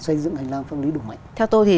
xây dựng hành lang pháp lý đủ mạnh theo tôi thì